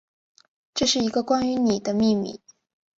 这是一个关于妳的秘密